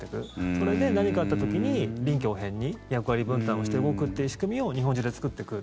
それで何かあった時に臨機応変に役割分担をして動くという仕組みを日本中で作っていく。